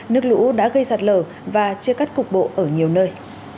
nước lũ đã gây sạt lở và chia cắt cục bộ ở nhiều nơi